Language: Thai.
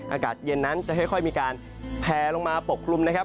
อากาศเย็นนั้นจะค่อยมีการแพลลงมาปกคลุมนะครับ